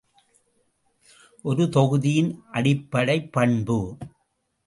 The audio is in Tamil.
ஒரு தொகுதியின் அடிப்படைப் பண்பு.